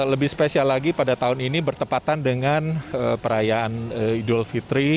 lebih spesial lagi pada tahun ini bertepatan dengan perayaan idul fitri